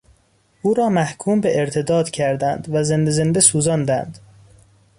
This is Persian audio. او را محکوم به ارتداد کردند و زنده زنده سوزاندند.